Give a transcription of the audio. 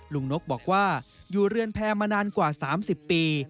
ลุงนกบอกว่าอยู่เรือนแพรมานานกว่าสามสิบปี